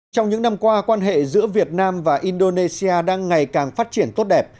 trong những năm qua quan hệ giữa việt nam và indonesia đang ngày càng phát triển tốt đẹp